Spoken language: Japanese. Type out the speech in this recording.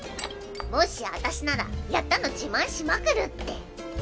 もしあたしならやったの自慢しまくるって。